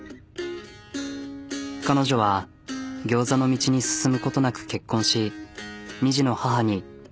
彼女はギョーザの道に進むことなく結婚し２児の母に。